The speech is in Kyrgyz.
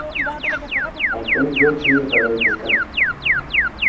Анткени жөө чыйыр тарайып кеткен.